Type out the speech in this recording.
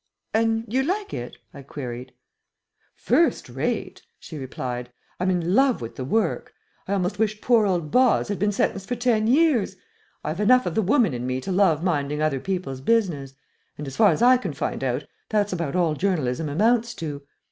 And you like it?" I queried. "First rate," she replied. "I'm in love with the work. I almost wish poor old Bos had been sentenced for ten years. I have enough of the woman in me to love minding other people's business, and, as far as I can find out, that's about all journalism amounts to.